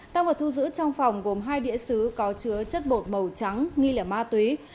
tăng vật thu giữ trong phòng gồm hai đĩa xứ có chứa chất bột màu trắng nghi lẻ ma túy